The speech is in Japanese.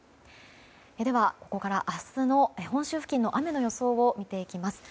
では、ここから明日の本州付近の雨の予想を見ていきます。